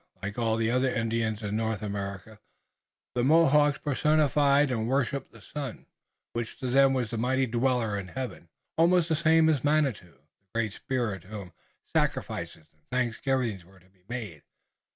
Like all the other Indians in North America the Mohawks personified and worshipped the sun, which to them was the mighty Dweller in Heaven, almost the same as Manitou, a great spirit to whom sacrifices and thanksgivings were to be made.